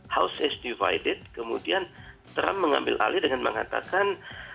house is divided kemudian trump mengambil alih dengan mengatakan